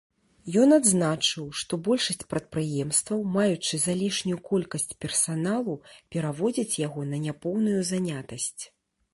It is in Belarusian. Ён адзначыў, што большасць прадпрыемстваў, маючы залішнюю колькасць персаналу, пераводзяць яго на няпоўную занятасць.